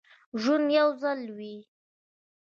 ژوند یو ځل وي